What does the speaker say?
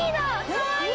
かわいい。